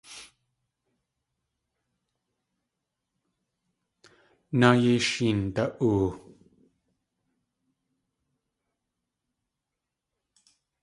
Náa yéi sheenda.oo!